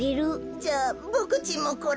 じゃあボクちんもこれ。